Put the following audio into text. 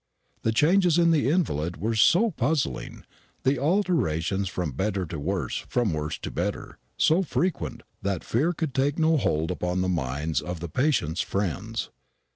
The changes in the invalid were so puzzling, the alternations from better to worse and from worse to better so frequent, that fear could take no hold upon the minds of the patient's friends.